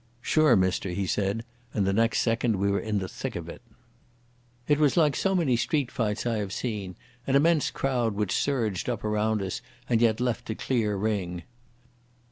"Sure, mister," he said, and the next second we were in the thick of it. It was like so many street fights I have seen—an immense crowd which surged up around us, and yet left a clear ring.